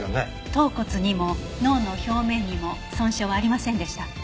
頭骨にも脳の表面にも損傷はありませんでした。